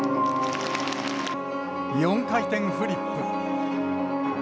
４回転フリップ。